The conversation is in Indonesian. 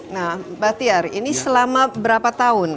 nah mbak tiar ini selama berapa tahun